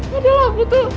padahal aku tuh